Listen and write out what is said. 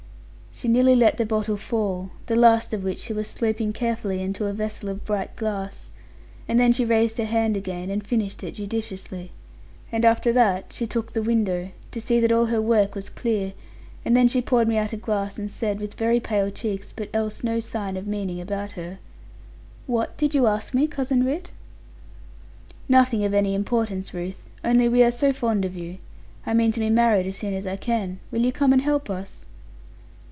She nearly let the bottle fall, the last of which she was sloping carefully into a vessel of bright glass; and then she raised her hand again, and finished it judiciously. And after that, she took the window, to see that all her work was clear; and then she poured me out a glass and said, with very pale cheeks, but else no sign of meaning about her, 'What did you ask me, Cousin Ridd?' 'Nothing of any importance, Ruth; only we are so fond of you. I mean to be married as soon as I can. Will you come and help us?'